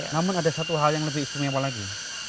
namun ada satu hal yang lebih istimewa lagi